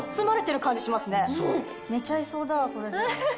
寝ちゃいそうだわこれで。